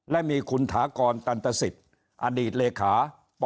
และมีคุณถากรตันตสิทธิ์อดีตเลขา